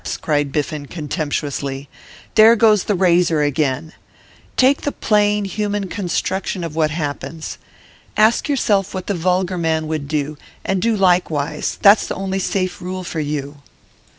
cried Biffen, contemptuously. 'There goes the razor again! Take the plain, human construction of what happens. Ask yourself what the vulgar man would do, and do likewise; that's the only safe rule for you.